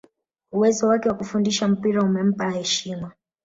uwezo wake wa kufundisha mpira umempa heshima